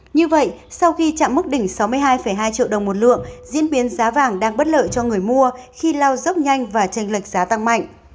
như vậy sau khi chạm mức đỉnh sáu mươi hai hai triệu đồng một lượng diễn biến giá vàng đang bất lợi cho người mua khi lao dốc nhanh và tranh lệch giá tăng mạnh